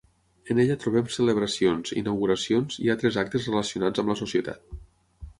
En ella trobem celebracions, inauguracions i altres actes relacionats amb la societat.